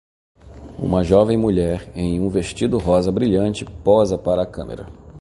Uma jovem mulher em um vestido rosa brilhante posa para a câmera.